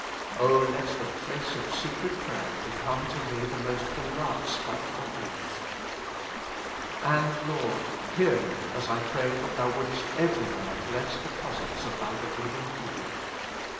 O let the place of secret prayer become to me the most beloved spot of earth. And, Lord ! hear me as I pray that Thou wouldest everywhere bless the closets of Thy believing peo ple.